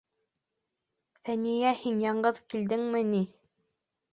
Фәниә, һин яңғыҙ килдеңме ни?